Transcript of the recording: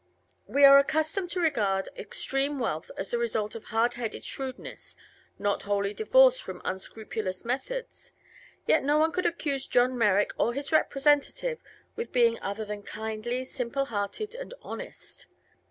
We are accustomed to regard extreme wealth as the result of hard headed shrewdness, not wholly divorced from unscrupulous methods, yet no one could accuse John Merrick or his representative with being other than kindly, simple hearted and honest.